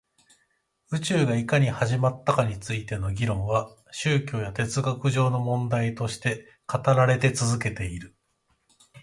宇宙がいかに始まったかについての議論は宗教や哲学上の問題として語られて続けている